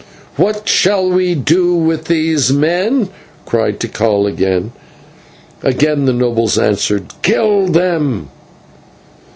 "What shall we do with these men?" cried Tikal again. And again the nobles answered, "Kill them!"